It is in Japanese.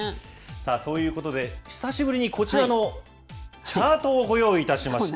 そういうことで、久しぶりにこちらのチャートをご用意いたしました。